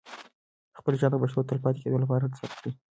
خپل ږغ د پښتو د تلپاتې کېدو لپاره ثبت کړئ.